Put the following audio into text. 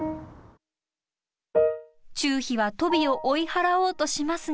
チュウヒはトビを追い払おうとしますが。